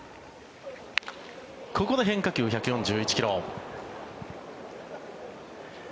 ここで変化球、１４１ｋｍ。